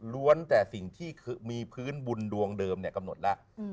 แต่สิ่งที่มีพื้นบุญดวงเดิมกำหนดแล้ว